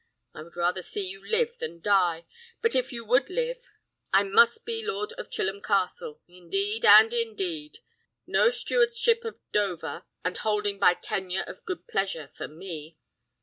I would rather see you live than die; but if you would live, I must be Lord of Chilham Castle, indeed and indeed. No stewardship of Dover, and holding by tenure of good pleasure, for me.